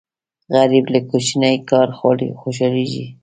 غریب له کوچني کاره خوشاليږي